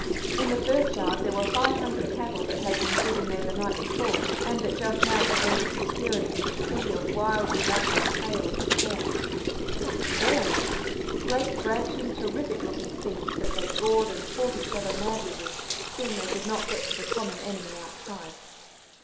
In the first yard there were five hundred cattle that had been driven there the night before, and that just now presented the appearance of a sea of wildly lashing tails and horns. Such horns! great, branching, terrific looking things that they gored and fought each other madly with, seeing they could not get to the common enemy outside.